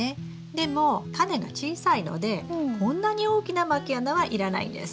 でもタネが小さいのでこんなに大きなまき穴はいらないんです。